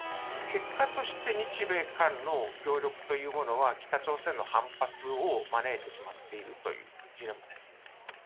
結果として、日米韓の協力というものは、北朝鮮の反発を招いてしまっているというジレンマです。